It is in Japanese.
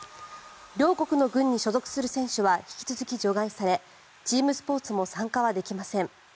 両国の選手については引き続き除外されチームスポーツも参加はできません。